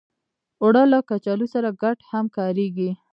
اوړه له کچالو سره ګډ هم کارېږي